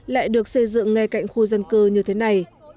lại được xây dựng ngay cạnh khu dân cư như thế này